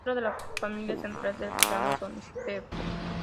Otra de las familias centrales del programa son los Stewart.